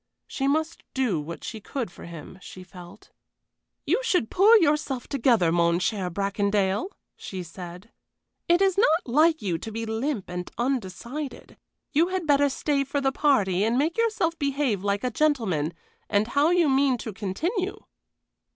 She must do what she could for him, she felt. "You should pull yourself together, mon cher Bracondale," she said; "it is not like you to be limp and undecided. You had better stay for the party, and make yourself behave like a gentleman, and how you mean to continue.